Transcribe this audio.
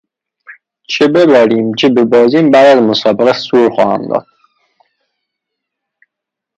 چه ببریم چه ببازیم بعد از مسابقه سور خواهم داد.